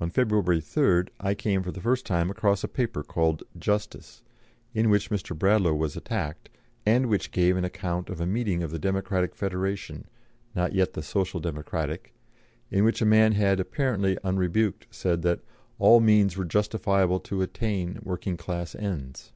On February 3rd I came for the first time across a paper called Justice, in which Mr. Bradlaugh was attacked, and which gave an account of a meeting of the Democratic Federation not yet the Social Democratic in which a man had, apparently unrebuked, said that "all means were justifiable to attain" working class ends.